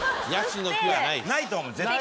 ないと思う絶対。